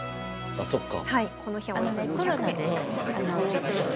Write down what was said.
あそっか。